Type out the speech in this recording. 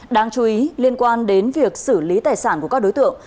đáng chú ý liên quan đến việc xử lý tài sản của các đối tượng